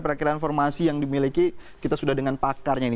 perakhiran informasi yang dimiliki kita sudah dengan pakarnya ini